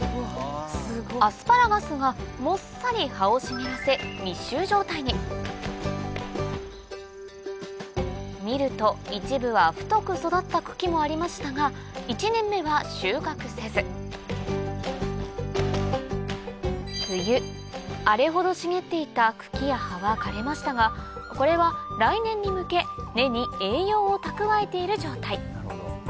アスパラガスがもっさり葉を茂らせ見ると一部は太く育った茎もありましたが冬あれほど茂っていた茎や葉は枯れましたがこれは来年に向け根に栄養を蓄えている状態